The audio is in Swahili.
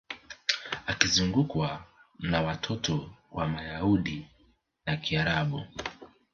Akizungukwa na watoto wa Mayahudi na Kiarabu